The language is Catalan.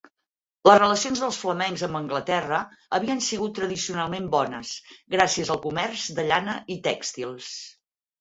Les relacions dels flamencs amb Anglaterra havien sigut tradicionalment bones, gràcies al comerç de llana i tèxtils.